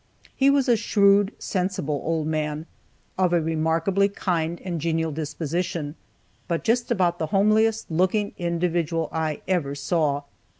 He was a shrewd, sensible old man, of a remarkably kind and genial disposition, but just about the homeliest looking individual I ever saw.